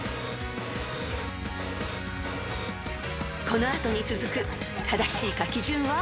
［この後に続く正しい書き順は？］